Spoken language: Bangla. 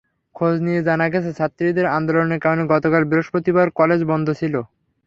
খোঁজ নিয়ে জানা গেছে, ছাত্রীদের আন্দোলনের কারণে গতকাল বৃহস্পতিবার কলেজ বন্ধ ছিল।